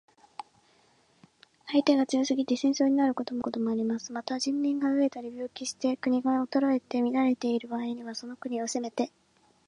相手が強すぎて戦争になることもあれば、相手が弱すぎてなることもあります。また、人民が餓えたり病気して国が衰えて乱れている場合には、その国を攻めて